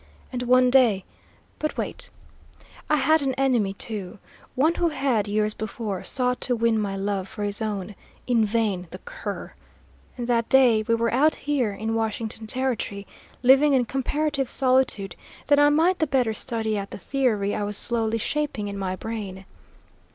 And one day but, wait! "I had an enemy, too; one who had, years before, sought to win my love for his own; in vain, the cur! And that day we were out here in Washington Territory, living in comparative solitude that I might the better study out the theory I was slowly shaping in my brain.